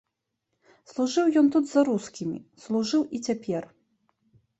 Служыў ён тут за рускімі, служыў і цяпер.